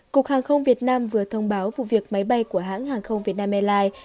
cục hàng không việt nam vừa thông báo vụ việc máy bay của hãng hàng không việt nam airlines